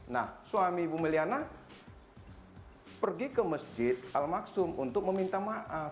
nah suami ibu meliana pergi ke masjid al maksum untuk meminta maaf